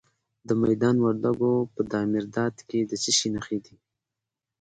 د میدان وردګو په دایمیرداد کې د څه شي نښې دي؟